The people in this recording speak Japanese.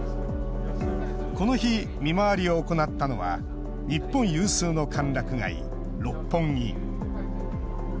この日見回りを行ったのは日本有数の歓楽街六本木。